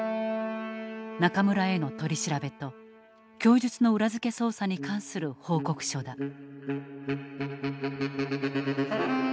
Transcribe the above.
中村への取り調べと供述の裏付け捜査に関する報告書だ。